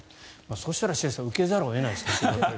そしたら白井さんは受けざるを得ないですよね。